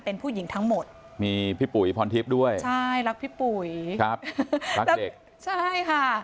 เป็นผู้หญิงทั้งหมดมีพี่ปุ๋ยพรทิศด้วยใช่รักพี่ปุ๋ยใช่ค่ะ